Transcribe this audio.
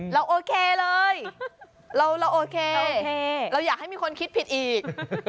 เราโอเคเลยเราโอเคเราอยากให้มีคนคิดผิดอีก